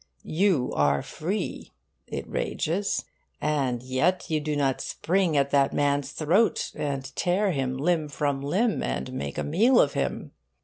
'You are free,' it rages, 'and yet you do not spring at that man's throat and tear him limb from limb and make a meal of him!